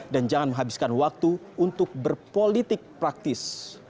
dan jangan menghabiskan waktu untuk berpolitik praktis